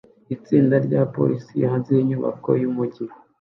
Itsinda ryabapolisi hanze yinyubako yumujyi